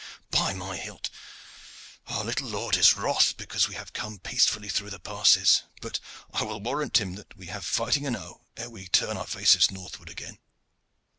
By my hilt! our little lord is wroth because we have come peacefully through the passes, but I will warrant him that we have fighting enow ere we turn our faces northward again.